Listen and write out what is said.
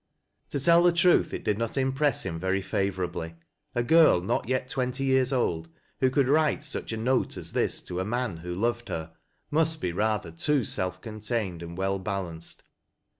To tell the truth, it did not impress him very favorably. A girl not yet twenty years old, who could write such a note as this to a man who loved her, must be rather too self contained and well balanced.